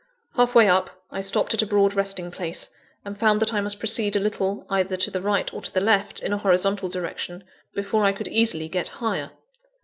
Halfway up, I stopped at a broad resting place; and found that I must proceed a little, either to the right or to the left, in a horizontal direction, before I could easily get higher.